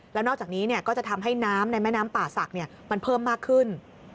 แล้วนอกจากนี้ก็จะทำให้น้ำในแม่น้ำป่าศักดิ์มันเพิ่มมากขึ้น